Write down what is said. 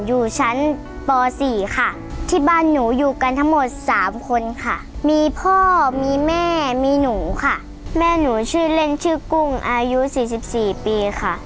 อยู่ชั้นป๔ค่ะที่บ้านหนูอยู่กันทั้งหมด๓คนค่ะมีพ่อมีแม่มีหนูค่ะแม่หนูชื่อเล่นชื่อกุ้งอายุ๔๔ปีค่ะ